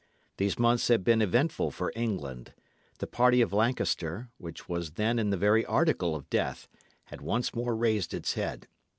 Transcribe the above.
These months had been eventful for England. The party of Lancaster, which was then in the very article of death, had once more raised its head.